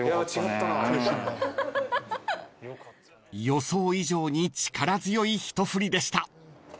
［予想以上に力強い一振りでした］